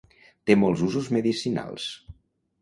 té molts usos medicinals